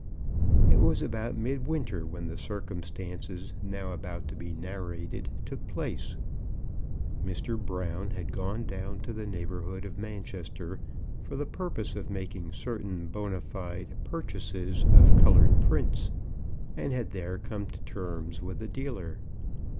It was about midwinter when the circumstances now about to be narrated took place. Mr. Brown had gone down to the neighbourhood of Manchester for the purpose of making certain bonâ fide purchases of coloured prints, and had there come to terms with a dealer.